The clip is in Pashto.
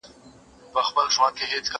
که وخت وي، خواړه ورکوم!؟